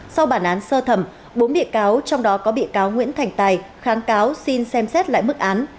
sau bản án sơ thẩm bốn bị cáo trong đó có bị cáo nguyễn thành tài kháng cáo xin xem xét lại mức án